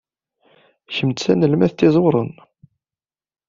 Kem d tanelmadt iẓewren.